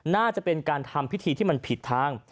น่าจะเป็นการทำพิธีที่มันผิดทาง